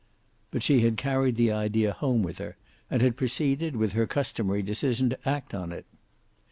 But she had carried the idea home with her, and had proceeded, with her customary decision, to act on it.